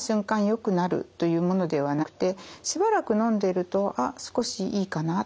よくなるというものではなくてしばらくのんでいると「少しいいかな」。